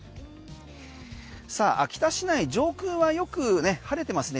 さあ秋田市内、上空はよく晴れてますね。